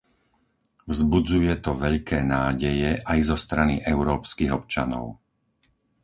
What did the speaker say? Vzbudzuje to veľké nádeje aj zo strany európskych občanov.